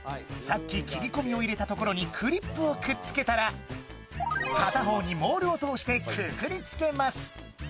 さっき切り込みを入れたところにクリップをくっつけたら片方にモールを通してくくりつけます。